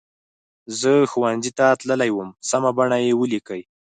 زه ښوونځي ته تللې وم سمه بڼه یې ولیکئ.